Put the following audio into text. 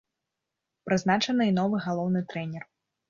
Прызначаны і новы галоўны трэнер.